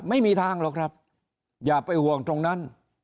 ไม่มีทางหรอกครับอย่าไปห่วงตรงนั้น